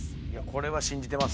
これは信じてます。